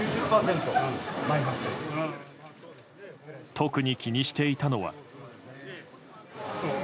特に気にしていたのは。